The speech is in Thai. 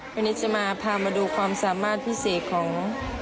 วันนี้จะมาพามาดูความสามารถพิเศษของ